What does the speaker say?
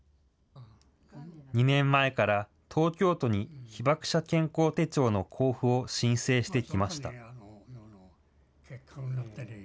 ２年前から、東京都に被爆者健康手帳の交付を申請してきました。